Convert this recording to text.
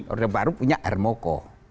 orde baru punya hermoko